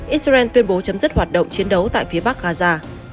israel tuyên bố chấm dứt hoạt động chiến đấu tại phía bắc gaza